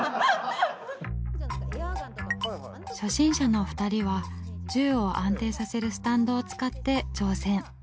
初心者の２人は銃を安定させるスタンドを使って挑戦。